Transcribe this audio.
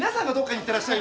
いってらっしゃい。